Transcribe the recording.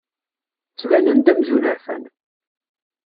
Ttbanen-d amzun rfan.